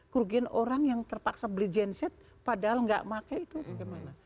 kerugian orang yang terpaksa beli genset padahal nggak pakai itu bagaimana